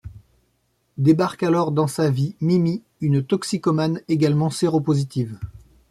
Débarque alors dans sa vie Mimi, une toxicomane également séropositive.